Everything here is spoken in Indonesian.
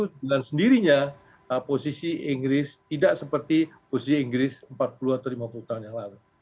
dan itu dan sendirinya posisi inggris tidak seperti posisi inggris empat puluh atau lima puluh tahun yang lalu